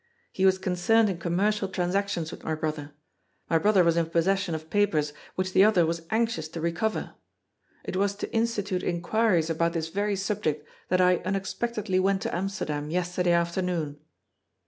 He was concerned in commercial transactions with my brother. My brother was in possession of papers which the other was anxious to re cover. It was to institute inquiries about this very subject that I unexpectedly went to Amsterdam yesterday afternoon."